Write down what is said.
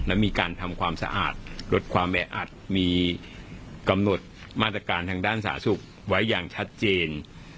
และมีการทำความสะอาดลดความแออัดมีกำหนดมาตรการทางด้านสาธารณสุขไว้อย่างชัดเจน